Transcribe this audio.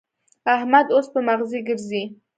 احمد اوس په مغزي ګرزي.